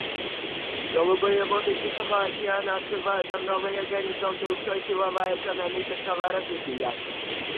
Голубые воды Тихого океана открывают нам новые горизонты устойчивого экономического развития.